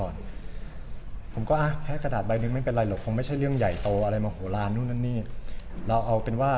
นั่นนี่เราเอาเป็นว่า